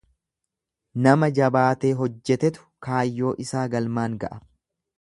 Nama jabaatee hojjetetu kaayyoo isaa galmaan ga'a.